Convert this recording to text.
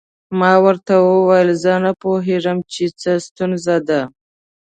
ما ورته وویل زه نه پوهیږم چې څه ستونزه ده.